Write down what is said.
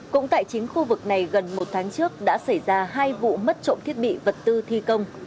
cũng tại chính khu vực này gần một tháng trước đã xảy ra hai vụ mất trộm thiết bị vật tư thi công